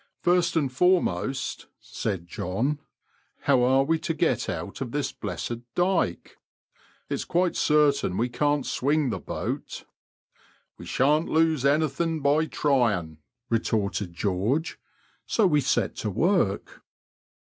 ''First and foremost," said John, how are we to get out of this blessed dyke ? It's quite certain we can't swing the boat." We shan't lose anything by trying," retorted George ; so we set to work.